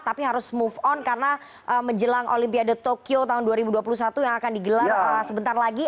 tapi harus move on karena menjelang olimpiade tokyo tahun dua ribu dua puluh satu yang akan digelar sebentar lagi